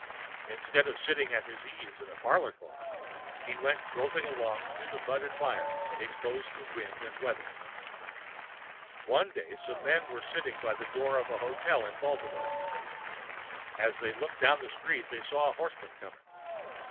Instead of sitting at his ease in a parlor car, he went jolting along through mud and mire, exposed to wind and weather. One day some men were sitting by the door of a hotel in Baltimore. As they looked down the street they saw a horseman coming.